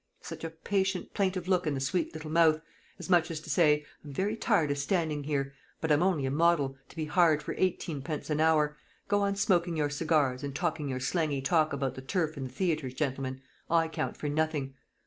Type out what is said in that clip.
such a patient plaintive look in the sweet little mouth, as much as to say, 'I'm very tired of standing here; but I'm only a model, to be hired for eighteenpence an hour; go on smoking your cigars, and talking your slangy talk about the turf and the theatres, gentlemen. I count for nothing.'